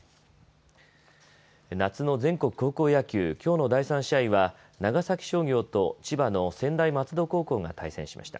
夏の全国高校野球、きょうの第３試合は長崎商業と千葉の専大松戸高校が対戦しました。